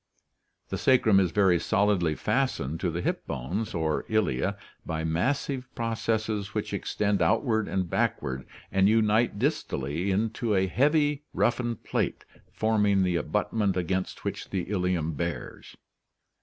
The sacrum is very solidly fastened to the hip bones or ilia by massive processes which extend outward and backward and unite distally into a heavy roughened plate forming the abutment against which the ilium bears.